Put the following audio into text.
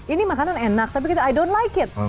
ini makanan enak tapi kita i don't like it